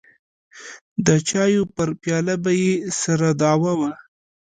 د چايو پر پياله به يې سره دعوه وه.